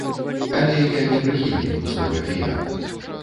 Але я не прыхільнік пустога піяру.